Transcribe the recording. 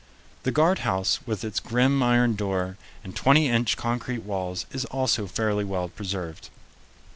The guard house with its grim iron door and twenty inch concrete walls is also fairly well preserved.